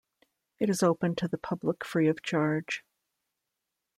It is open to the public free of charge.